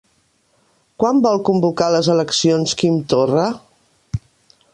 Quan vol convocar les eleccions Quim Torra?